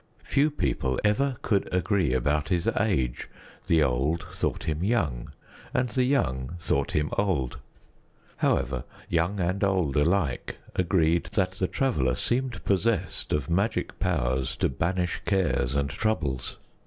Few people ever could agree about his age; the old thought him young, and the young thought him old. However, young and old alike agreed that the Traveler seemed possessed of magic powers to banish cares and troubles.